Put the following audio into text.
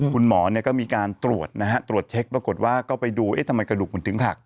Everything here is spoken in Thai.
คุณหมอก็มีการตรวจนะฮะตรวจเช็คปรากฏว่าก็ไปดูเอ๊ะทำไมกระดูกมันถึงหัก